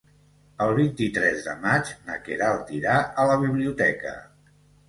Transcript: El vint-i-tres de maig na Queralt irà a la biblioteca.